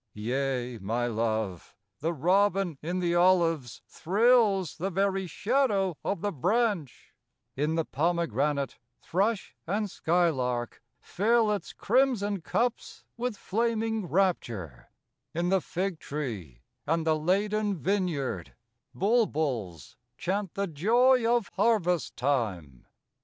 Yea, my Love, the robin in the olives Thrills the very shadow' of the branch; In the pomegranate, thrush and skylark Fill its crimson cups with flaming rapture; In the fig tree and the laden vineyard, Bulbuls chant the joy of harvest time.